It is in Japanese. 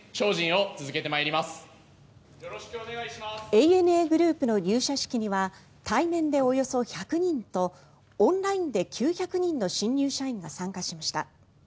ＡＮＡグループの入社式には対面でおよそ１００人とオンラインで９００人の新入社員が参加しました。